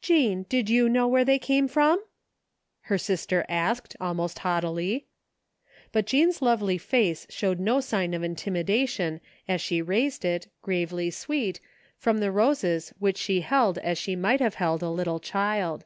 "Jean, did you know where they came from?*' her sister asked, almost haughtily. But Jean's lovely face showed no sign of intimida tion as she raised it, gravely sweet, from the roses which she held as she might have held a little child.